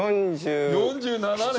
４７年！？